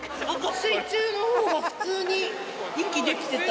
水中のほうが普通に息できてた。